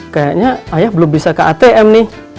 kayaknya ayah belum bisa ke atm nih